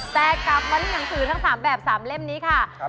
แต่กลับมาที่หนังสือทั้ง๓แบบ๓เล่มนี้ค่ะ